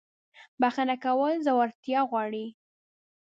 • بخښنه کول زړورتیا غواړي.